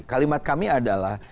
kalimat kami adalah